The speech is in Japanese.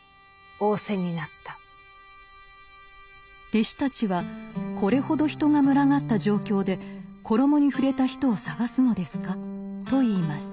弟子たちは「これほど人が群がった状況で衣に触れた人を探すのですか？」と言います。